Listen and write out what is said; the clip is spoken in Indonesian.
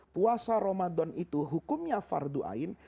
puasa ramadan itu hukumnya fardu'ain